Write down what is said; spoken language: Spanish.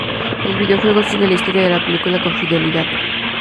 El videojuego sigue la historia de la película con fidelidad.